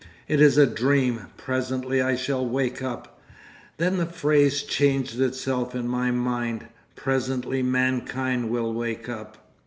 It is a dream. Presently I shall wake up." ... 'Then the phrase changed itself in my mind. "Presently mankind will wake up."